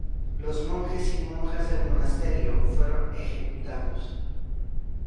Los monjes y monjas del monasterio fueron ejecutados.